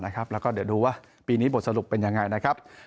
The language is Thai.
แล้วก็เดี๋ยวดูว่าปีนี้บทสรุปเป็นยังไงนะครับ